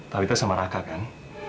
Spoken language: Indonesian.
talita sama raka kan